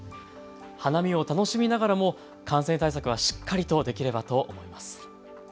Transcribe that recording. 花見を楽しみながらも感染対策はしっかりとできればと思います。